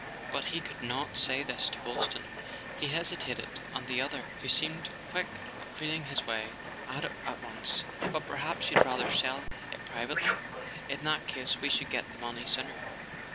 But he could not say this to Boylston. He hesitated, and the other, who seemed quick at feeling his way, added at once: "But perhaps you'd rather sell it pri¬ vately ? In that case we should get the money sooner."